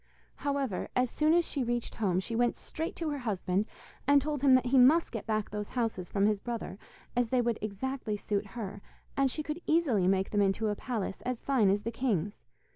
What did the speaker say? However, as soon as she reached home, she went straight to her husband, and told him that he must get back those houses from his brother, as they would exactly suit her, and she could easily make them into a palace as fine as the king's.